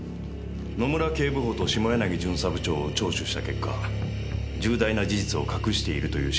野村警部補と下柳巡査部長を聴取した結果重大な事実を隠しているという心証を持ちました。